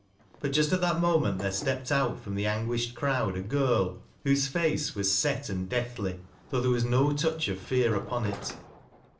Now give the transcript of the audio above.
But just at that moment there stepped out from the anguished crowd a girl, whose face was set and deal lily, thdugh there was no touch of fear upon it.